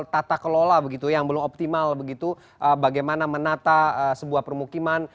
kata kelola yang belum optimal bagaimana menata sebuah permukiman